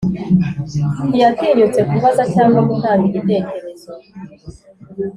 ntiyatinyutse kubaza cyangwa gutanga igitekerezo,